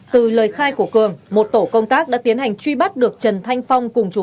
từ lời khai của cường một tổ công tác đã tiến hành truy bắt được trần thanh phong cùng chú